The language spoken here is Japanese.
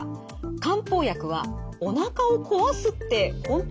「漢方薬はおなかを壊すってほんと？」。